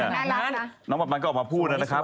นั่นน้องบัดบางก็ออกมาพูดนะครับ